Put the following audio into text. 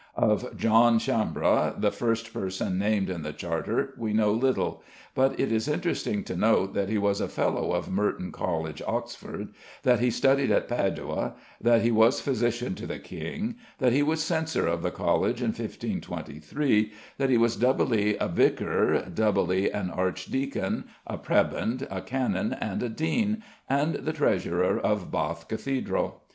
Of =John Chambre=, the first person named in the charter, we know little; but it is interesting to note that he was a Fellow of Merton College, Oxford; that he studied at Padua; that he was physician to the king; that he was censor of the College in 1523; that he was doubly a vicar, doubly an archdeacon, a prebend, a canon, and a dean, and the treasurer of Bath Cathedral.